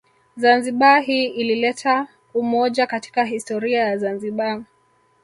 Zanzibar hii ilileta umoja katika historia ya zanzibar